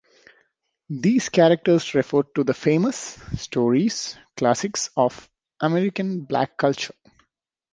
These characters refer to the famous ? stories, classics of American black culture.